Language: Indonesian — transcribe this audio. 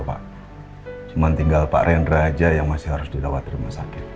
aku anterin dulu ya